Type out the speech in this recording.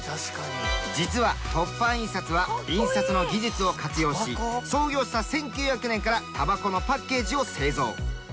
実は凸版印刷は印刷の技術を活用し創業した１９００年からタバコのパッケージを製造。